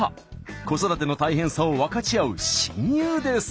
子育ての大変さを分かち合う親友です。